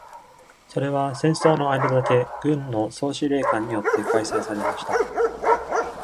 それは戦争の間だけ軍の総司令官によって開催されました。